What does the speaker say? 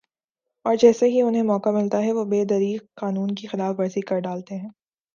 اور جیسے ہی انھیں موقع ملتا ہے وہ بے دریغ قانون کی خلاف ورزی کر ڈالتے ہیں